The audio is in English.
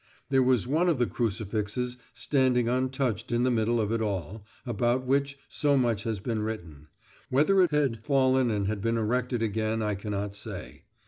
There was one of the crucifixes standing untouched in the middle of it all, about which so much has been written; whether it had fallen and been erected again I cannot say.